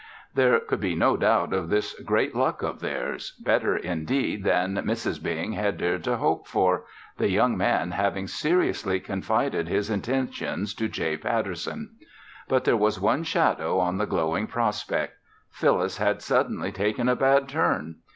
There could be no doubt of this great good luck of theirs better, indeed, than Mrs. Bing had dared to hope for the young man having seriously confided his intentions to J. Patterson. But there was one shadow on the glowing prospect; Phyllis had suddenly taken a bad turn.